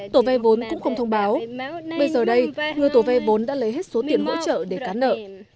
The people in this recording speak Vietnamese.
tổ vay vốn cũng không thông báo bây giờ đây người tổ vay vốn đã lấy hết số tiền hỗ trợ để cán nợ